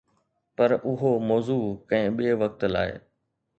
پر اهو موضوع ڪنهن ٻئي وقت لاءِ.